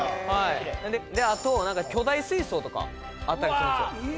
であと巨大水槽とかあったりするんですよ。